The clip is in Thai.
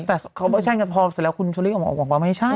แต่พอเสร็จแล้วคุณชุริออกมาว่าไม่ใช่